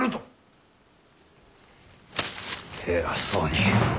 偉そうに。